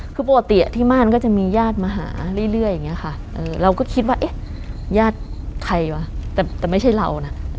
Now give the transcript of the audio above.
คือปกติที่บ้านก็จะมีญาติมาหาเรื่อยอย่างนี้ค่ะเราก็คิดว่าเอ๊ะญาติใครวะแต่ไม่ใช่เรานะ